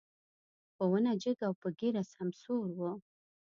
په ونه جګ او په ږيره سمسور و.